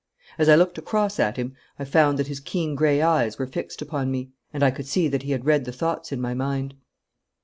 As I looked across at him I found that his keen grey eyes were fixed upon me, and I could see that he had read the thoughts in my mind.